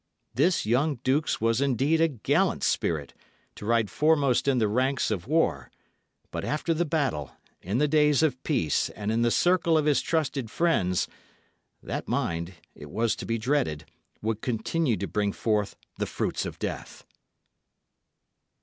This young duke's was indeed a gallant spirit, to ride foremost in the ranks of war; but after the battle, in the days of peace and in the circle of his trusted friends, that mind, it was to be dreaded, would continue to bring forth the fruits of death.